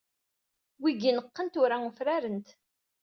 Wigi ineqqen tura ufraren-d.